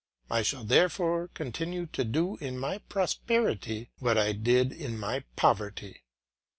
I shall therefore continue to do in my prosperity what I did in my poverty.